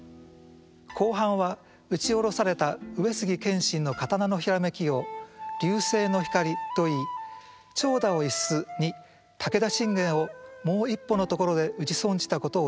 後半は打ち下ろされた上杉謙信の刀のひらめきを「流星の光」といい「長蛇を逸す」に武田信玄をもう一歩のところで打ち損じたことを詠います。